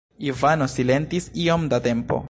Ivano silentis iom da tempo.